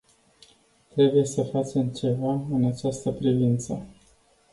Trebuie să facem ceva în această privință.